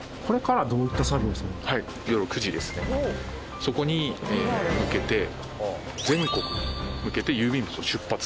そこに向けて全国に向けて郵便物を出発させる。